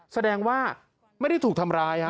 แสดงว่าไม่ได้ถูกทำร้าย